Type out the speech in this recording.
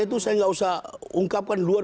itu saya tidak usah ungkapkan luar